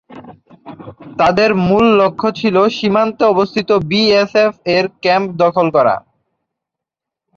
তাদের মূল লক্ষ্য ছিল সীমান্তে অবস্থিত বিএসএফ এর ক্যাম্প দখল করা।